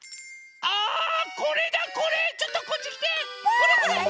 これこれ！